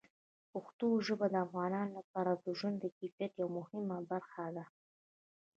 پښتو ژبه د افغانانو لپاره د ژوند د کیفیت یوه مهمه برخه ده.